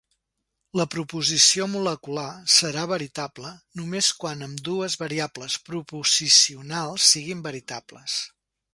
La proposició molecular serà veritable només quan ambdues variables proposicionals siguin veritables.